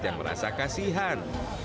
yang merasa kasihan